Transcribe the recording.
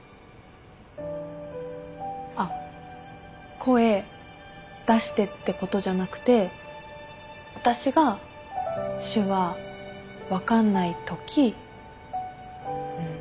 あっ声出してってことじゃなくて私が手話分かんないときうん。